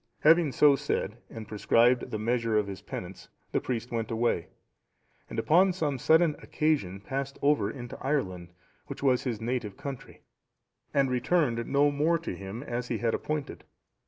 Having so said, and prescribed the measure of his penance, the priest went away, and upon some sudden occasion passed over into Ireland, which was his native country, and returned no more to him, as he had appointed.